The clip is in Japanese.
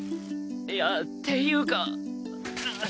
いやっていうか。